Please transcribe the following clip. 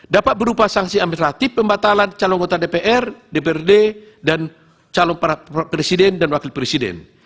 dapat berupa sanksi administratif pembatalan calon anggota dpr dprd dan calon presiden dan wakil presiden